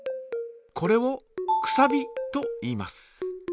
これを「くさび」といいます。